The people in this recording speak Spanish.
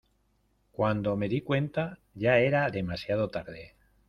cuando me di cuenta ya era demasiado tarde.